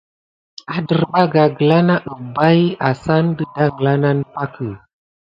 Adərbaga gəla na əbbaʼi assane də daŋla nane pakə.